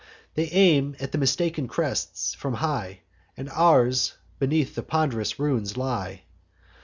They aim at the mistaken crests, from high; And ours beneath the pond'rous ruin lie.